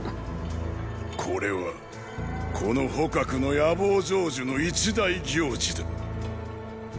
これはこの蒲の「野望成就」の一大行事だ。